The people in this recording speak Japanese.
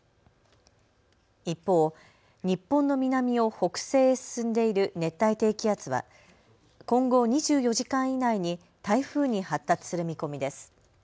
一方、日本の南を北西へ進んでいる熱帯低気圧は今後、２４時間以内に台風に発達する見込みです。